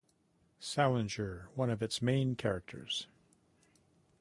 Salinger, as one of its main characters.